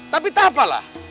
tapi tak apalah